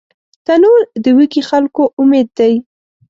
تنور د وږي خلکو امید دی